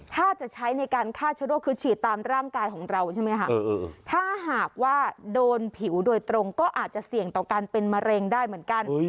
ถ้าจะใช้ในการฆ่าเชื้อโรคคือฉีดตามร่างกายของเราใช่ไหมคะถ้าหากว่าโดนผิวโดยตรงก็อาจจะเสี่ยงต่อการเป็นมะเร็งได้เหมือนกัน